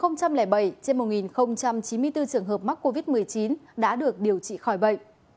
mùa một nghìn bảy trên một nghìn chín mươi bốn trường hợp mắc covid một mươi chín đã được điều trị khỏi bệnh